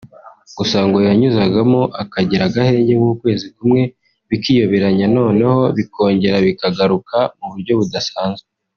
Gusa ngo yanyuzagamo akagira agahenge nk’ukwezi kumwe bikiyoberanya noneho bikongera bikagaruka mu buryo budasanzwe